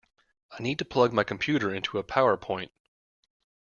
I need to plug my computer into a power point